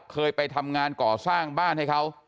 เคยไปทำงานก่อสร้างบ้านให้เขา